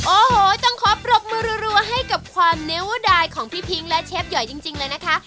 โอ้โหต้องขอปรบมือรัวให้กับความนิ้วดายของพี่พิงและเชฟหอยจริงเลยนะคะ